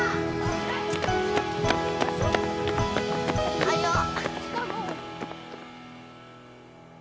おはよう！